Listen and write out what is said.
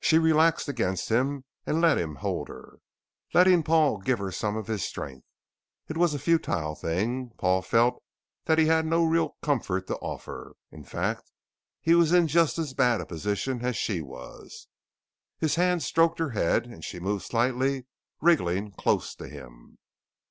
She relaxed against him and let him hold her; letting Paul give her some of his strength. It was a futile thing, Paul felt that he had no real comfort to offer. In fact he was in just as bad a position as she was. His hand stroked her head, and she moved slightly, wriggling close to him.